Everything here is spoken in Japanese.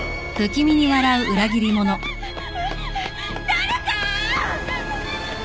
誰か！